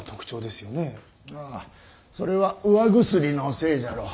ああそれは釉薬のせいじゃろう。